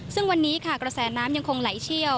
ซึ่งวันนี้ค่ะกระแสน้ำยังคงไหลเชี่ยว